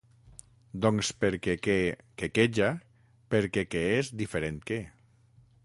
Doncs perquè que —quequeja—, perquè que és diferent que.